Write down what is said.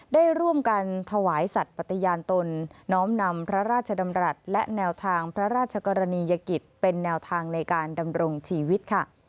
ได้ร่วมกันถวายสัตว์ปฏิญาณตนน้อมนำพระราชดำรัฐและแนวทางพระราชกรณียกิจเป็นแนวทางในการดำรงชีวิตค่ะ